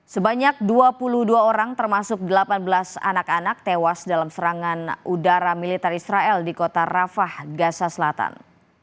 sebanyak dua puluh dua orang termasuk delapan belas anak anak tewas dalam serangan udara militer israel di kota rafah gaza selatan